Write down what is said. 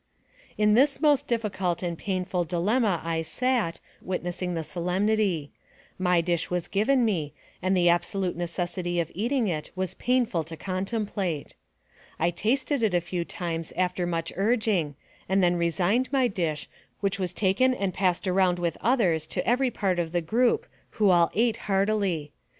In this most difficult and painful dilemma I sat, witnessing the solemnity ; my dish was given me, and the absolute necessity of eating it was painful to con template. I tasted it a few times after much urging, and then resigned my dish, which was taken and passed around with others to every part of the group, who all ate heartily.